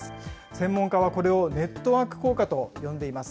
専門家はこれをネットワーク効果と呼んでいます。